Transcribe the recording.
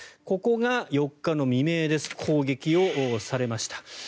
ここが４日未明、攻撃されました。